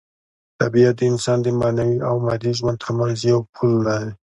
طبیعت د انسان د معنوي او مادي ژوند ترمنځ یو پل دی.